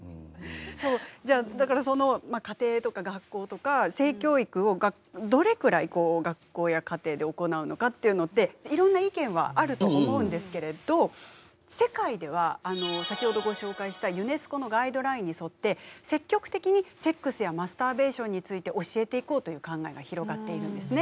だからその家庭とか学校とか性教育をどれくらい学校や家庭で行うのかっていうのっていろんな意見はあると思うんですけれど世界では先ほどご紹介したユネスコのガイドラインに沿って積極的にセックスやマスターべーションについて教えていこうという考えが広がっているんですね。